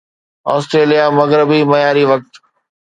Australia مغربي معياري وقت